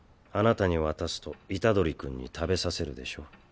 あなたに渡すと虎杖君に食べさせるでしょ？